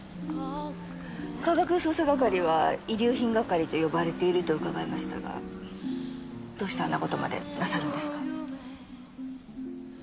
科学捜査係は遺留品係と呼ばれていると伺いましたがどうしてあんな事までなさるんですか？